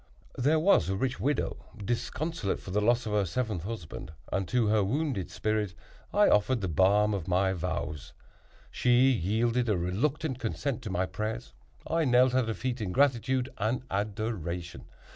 There was a rich widow disconsolate for the loss of her seventh husband, and to her wounded spirit I offered the balm of my vows. She yielded a reluctant consent to my prayers. I knelt at her feet in gratitude and adoration.